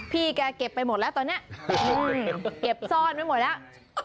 พี่แกเก็บไปหมดแล้วตอนนี้เก็บซ่อนไว้หมดแล้ว